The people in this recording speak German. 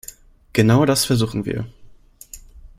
Genau das versuchen wir.